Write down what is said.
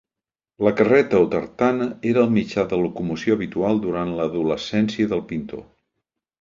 La carreta o tartana era el mitjà de locomoció habitual durant l'adolescència del pintor.